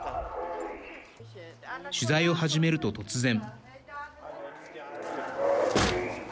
取材を始めると突然。